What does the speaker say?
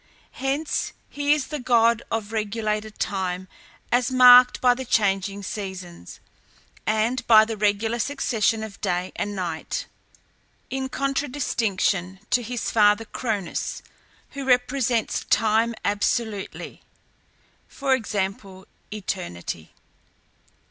Hence he is the god of regulated time as marked by the changing seasons, and by the regular succession of day and night, in contradistinction to his father Cronus, who represents time absolutely, i.e. eternity.